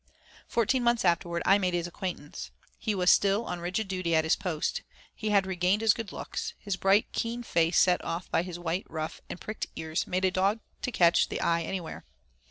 Fourteen months afterward I made his acquaintance. He was still on rigid duty at his post. He had regained his good looks. His bright, keen face set off by his white ruff and pricked ears made a dog to catch the eye anywhere.